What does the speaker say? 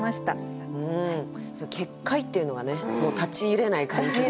「結界」っていうのがね立ち入れない感じがね。